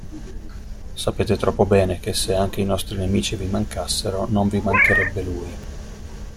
Sapete troppo bene che, se anche i nostri nemici vi mancassero, non vi mancherebbe lui!